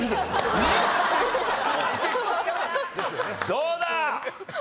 どうだ？